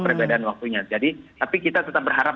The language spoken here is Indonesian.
perbedaan waktunya jadi tapi kita tetap berharap